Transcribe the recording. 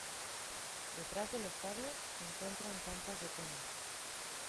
Detrás del estadio, se encuentran canchas de tenis.